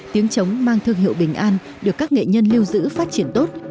tiếng trống mang thương hiệu bình an được các nghệ nhân lưu giữ phát triển tốt